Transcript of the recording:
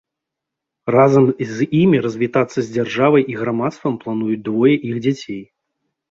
Разам з імі развітацца з дзяржавай і грамадствам плануюць двое іх дзяцей.